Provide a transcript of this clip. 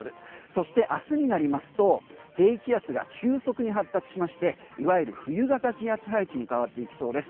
そして明日になりますと低気圧が急速に発達しましていわゆる冬型気圧配置に変わっていきそうです。